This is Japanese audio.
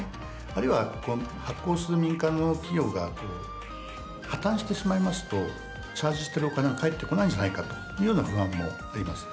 あるいは発行する民間の企業が破綻してしまいますとチャージしているお金が返ってこないんじゃないかというような不安もあります。